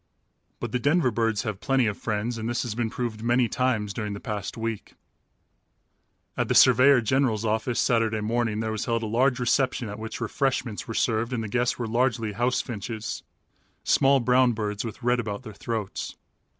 But the Denver birds have plenty of friends and this has been proved many times during the past week. At the surveyor general's office Saturday morning there was held a large reception at which refreshments were served and the guests were largely house finches small, brown birds with red about their throats.